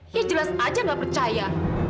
ya jelas aja nggak percaya